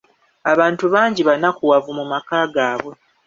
Abantu bangi bannakuwavu mu maka gaabwe